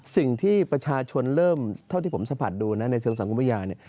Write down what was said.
สิ่งที่ประชาชนเริ่มเท่าที่ผมสัมผัสดูนะในเชิงสังคมพยานเนี่ย